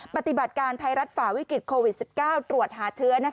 ปฏิบัติการไทยรัฐฝ่าวิกฤตโควิด๑๙ตรวจหาเชื้อ